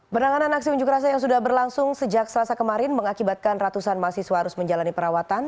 penanganan aksi unjuk rasa yang sudah berlangsung sejak selasa kemarin mengakibatkan ratusan mahasiswa harus menjalani perawatan